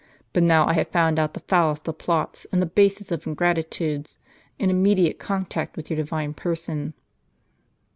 But now I have found out the foulest of plots, and the basest of ingratitudes, in imme diate contact with your divine person."